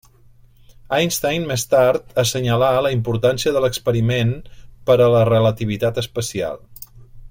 Einstein més tard assenyalà la importància de l'experiment per a la relativitat especial.